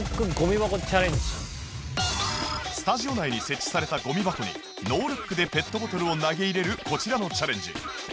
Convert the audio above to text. スタジオ内に設置されたゴミ箱にノールックでペットボトルを投げ入れるこちらのチャレンジ